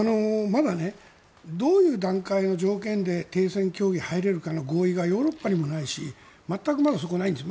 まだどういう段階の条件で停戦協議、入れるかの合意がヨーロッパにもないし全くまだそこはないんです。